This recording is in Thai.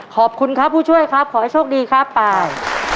ขอบคุณครับผู้ช่วยครับขอให้โชคดีครับเปล่า